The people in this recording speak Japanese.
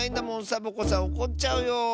サボ子さんおこっちゃうよ。